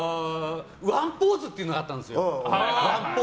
ワンポーズっていうのがあったんですよ。